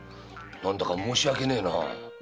何だか申し訳ねえな。